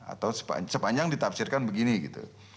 atau sepanjang ditafsirkan begini gitu